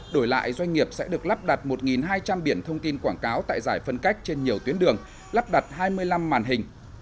đổi lại doanh nghiệp sẽ được lắp đặt một hai trăm linh biển thông tin quảng cáo tại giải phân cách trên nhiều tuyến đường lắp đặt hai mươi năm màn hình